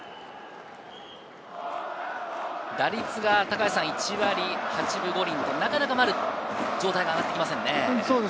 打率が１割８分５厘と、なかなか丸、状態が上がってきませんね。